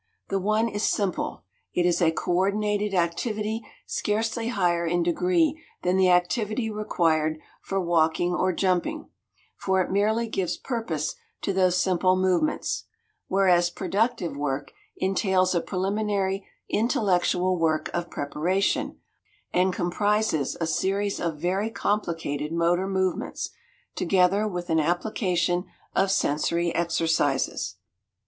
The one is simple; it is a coordinated activity scarcely higher in degree than the activity required for walking or jumping; for it merely gives purpose to those simple movements, whereas productive work entails a preliminary intellectual work of preparation, and comprises a series of very complicated motor movements, together with an application of sensory exercises.